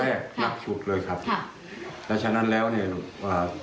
เป็นครั้งแรกนักฉุดครับครับแล้วฉะนั้นแล้วเนี่ยอ่า